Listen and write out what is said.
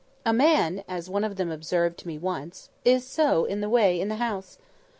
"A man," as one of them observed to me once, "is so in the way in the house!"